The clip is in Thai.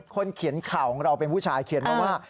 คนเขียนข่าวของเราเป็นผู้ชายเขียนมาว่า